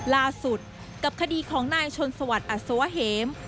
ล่าสุดกับคดีของนายชนสวัสดิอัศวะเหม